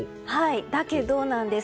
だけどなんです。